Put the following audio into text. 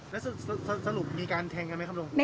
แล้วสรุปมีการแทงกันมั้ยครับผม